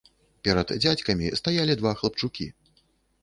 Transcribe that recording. Перад дзядзькамі стаялі два хлапчукі.